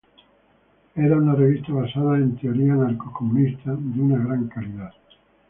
Era una revista basada en teoría anarcocomunista de una gran calidad.